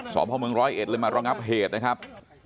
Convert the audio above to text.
สวมพลังเมือง๑๐๑เลยมารองับเหตุนะครับ